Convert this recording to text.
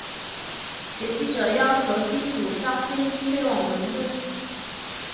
劫机者要求机组将飞机飞往伦敦。